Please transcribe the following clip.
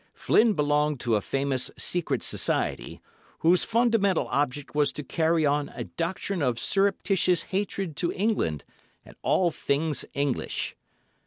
Flynn belonged to a famous secret society, whose fundamental object was to carry on a doctrine of surreptitious hatred to England and all things English.